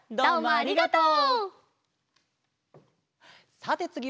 ありがとう。